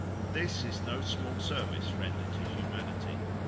This is no small service rendered to humanity.